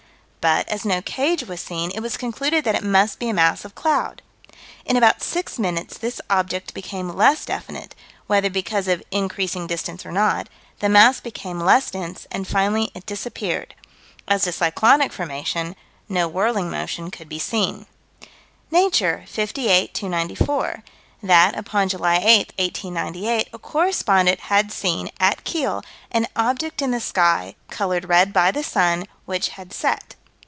"But, as no cage was seen, it was concluded that it must be a mass of cloud." In about six minutes this object became less definite whether because of increasing distance or not "the mass became less dense, and finally it disappeared." As to cyclonic formation "no whirling motion could be seen." Nature, 58 294: That, upon July 8, 1898, a correspondent had seen, at Kiel, an object in the sky, colored red by the sun, which had set.